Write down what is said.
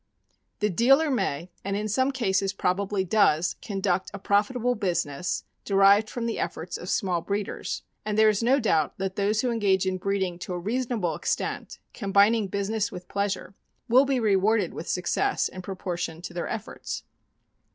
The dealer may, and in some cases probably does, conduct a profitable business, derived from the efforts of small breeders; and there is no doubt that those who engage in breeding to a reasonable extent — combining business with pleasure — will be rewarded with success in proportion to their efforts.